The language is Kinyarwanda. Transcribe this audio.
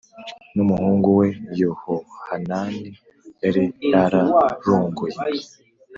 n umuhungu we Yehohanani yari yararongoye